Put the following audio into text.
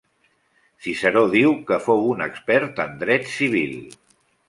Ciceró diu que fou un expert en dret civil.